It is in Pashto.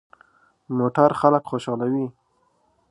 موټر خلک خوشحالوي.